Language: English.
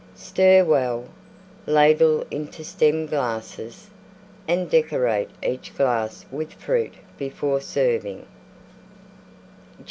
Stir well; ladle into Stem glasses, and decorate each glass with Fruit before serving.